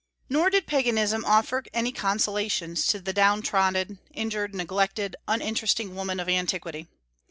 Nor did Paganism offer any consolations to the down trodden, injured, neglected, uninteresting woman of antiquity.